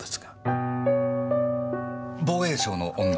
防衛省の女。